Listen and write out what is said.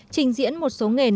trình diễn một số nghề nổi tiếng